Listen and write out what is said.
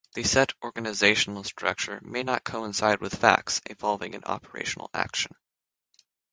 The set organizational structure may not coincide with facts, evolving in operational action.